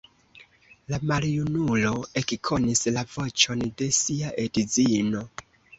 La maljunulo ekkonis la voĉon de sia edzino.